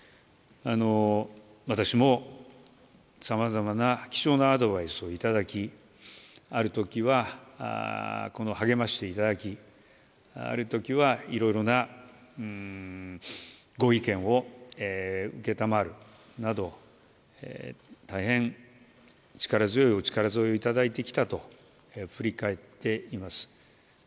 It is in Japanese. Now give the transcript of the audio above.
私もさまざまな貴重なアドバイスを頂き、あるときは励ましていただき、あるときはいろいろなご意見を承るなど、大変力強いお力添えを頂いてきたと振り返っています。